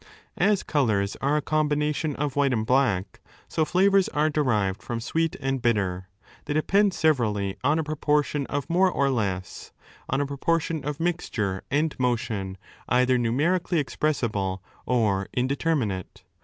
As colours are a combination of white and black, eo flavours are derived from sweet and bitter. They depend 17 severally on a proportion of more or less, on a proportion of mixture and motion either numerically expressible, or indeterminate.